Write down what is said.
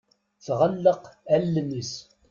Tɣelleq allen-is.